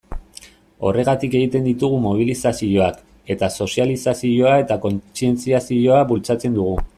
Horregatik egiten ditugu mobilizazioak, eta sozializazioa eta kontzientziazioa bultzatzen dugu.